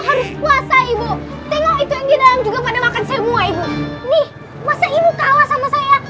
harus puasa ibu tengok itu yang di dalam juga pada makan semua ibu nih masa ibu kalah sama saya